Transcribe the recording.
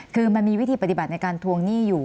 คือมันมีวิธีปฏิบัติในการทวงหนี้อยู่